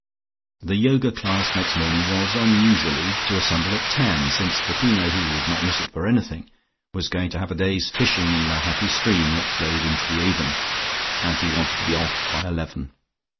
The Yoga class next morning was (unusually) to assemble at ten, since Peppino, who would not miss it for anything, was going to have a day's fishing in the happy stream that flowed into the Avon, and he wanted to be off by eleven.